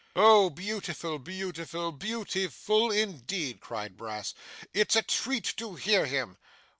'Oh, beautiful, beautiful! Beau ti ful indeed!' cried Brass. 'It's a treat to hear him!